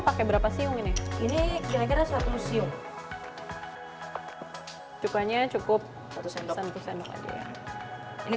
pakai berapa siung ini ini kira kira satu siung cukanya cukup satu sendok satu sendok aja ini